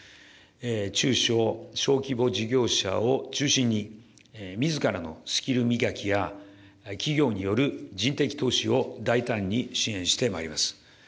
中小・小規模事業者を中心に、みずからのスキル磨きや企業による人的投資を大胆に支援してまいります。